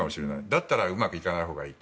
だったらうまくいかないほうがいい。